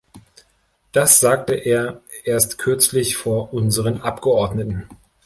Das sagte er erst kürzlich vor unseren Abgeordneten.